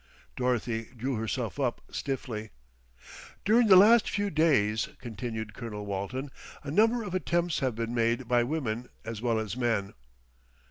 Dorothy drew herself up stiffly. "During the last few days," continued Colonel Walton, "a number of attempts have been made by women as well as men."